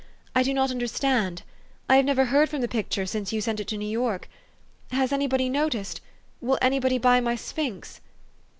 I do not understand. 1 have never heard from the picture since you sent it to New York. Has anybody noticed will anybody buy my sphinx?